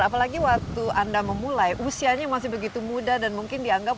apalagi waktu anda memulai usianya masih begitu muda dan mungkin dianggap